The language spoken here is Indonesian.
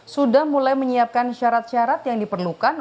sudah mulai menyiapkan syarat syarat yang diperlukan